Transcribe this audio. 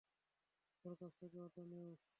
ওর কাছ থেকে ওটা নেও।